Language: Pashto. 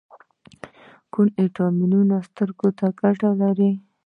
کوم ویټامین سترګو ته ګټه لري؟